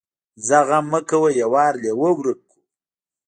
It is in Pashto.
ځه غم مه کوه يو وار لېوه ورک کو.